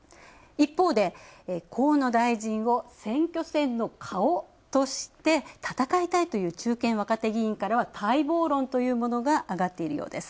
一方で、河野大臣を選挙戦の顔として戦いたいという中堅・若手議員からは待望論というものが上がっているようです。